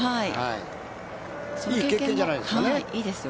いい経験じゃないですか。